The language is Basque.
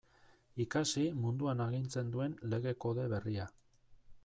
Ikasi munduan agintzen duen Lege Kode berria.